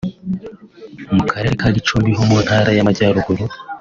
mu Karere ka Gicumbi ho mu Ntara y’Amajyaruguru